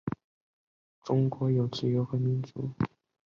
中国有自由和民主